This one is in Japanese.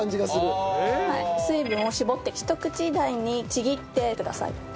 水分を絞ってひと口大にちぎってください。